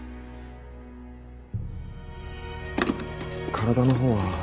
体の方は。